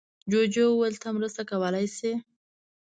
جوجو وویل ته مرسته کولی شې.